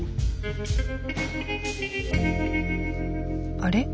あれ？